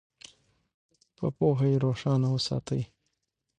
په پوهه یې روښانه وساتئ.